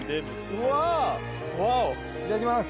いただきます。